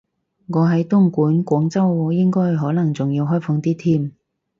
我喺東莞，廣州應該可能仲要開放啲添